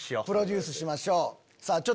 プロデュースしましょう。